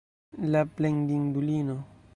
La plendindulino!